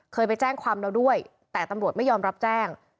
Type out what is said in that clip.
เคยไปแจ้งความแล้วด้วยแต่ตำรวจไม่ยอมรับแจ้ง